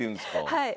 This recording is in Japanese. はい。